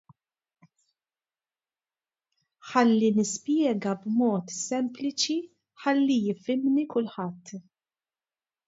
Ħalli nispjega b'mod sempliċi ħalli jifhimni kulħadd.